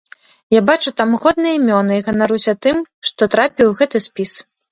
Я бачу там годныя імёны і ганаруся тым, што трапіў у гэты спіс.